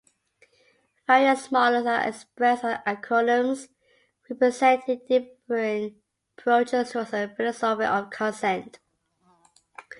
Various models are expressed as acronyms representing differing approaches towards a philosophy of consent.